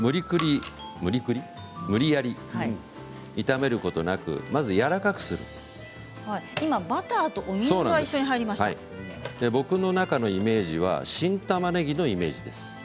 無理やり炒めることなく今バターとお水が僕の中のイメージは新たまねぎのイメージです。